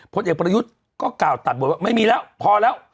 พลเอกประยุทธ์ก็กล่าวตัดบทว่าไม่มีแล้วพอแล้ว